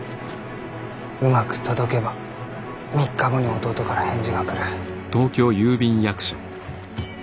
うまく届けば３日後に弟から返事が来る。